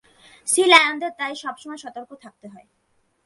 সি-লায়নদের তাই সবসময় সতর্ক থাকতে হয়।